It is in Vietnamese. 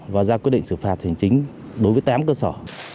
và ra quyết định xử phạt hành chính đối với tám cơ sở